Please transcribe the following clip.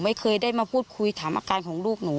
ไม่เคยได้มาพูดคุยถามอาการของลูกหนู